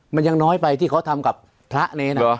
มันยังน้อยไปที่เขาทำกับพระเลยนะ